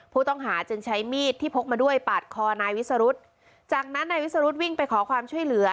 ผู้ต้องหาจึงใช้มีดที่พกมาด้วยปาดคอนายวิสรุธจากนั้นนายวิสรุธวิ่งไปขอความช่วยเหลือ